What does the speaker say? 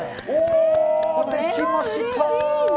できました！